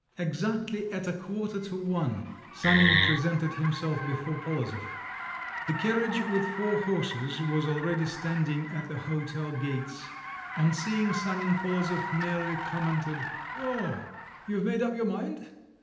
Exactly at a quarter to one Sanin presented himself before Polozov. The carriage with four horses was already standing at the hotel gates. On seeing Sanin, Polozov merely commented, "Oh! you've made up your mind?"